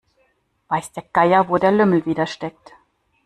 Weiß der Geier, wo der Lümmel wieder steckt.